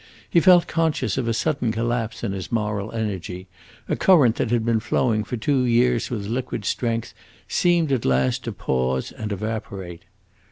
He felt conscious of a sudden collapse in his moral energy; a current that had been flowing for two years with liquid strength seemed at last to pause and evaporate.